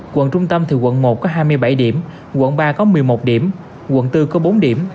quận trung tâm thì quận một có hai mươi bảy điểm quận ba có một mươi một điểm quận bốn có bốn điểm